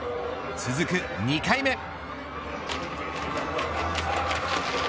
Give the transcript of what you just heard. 続く２回目。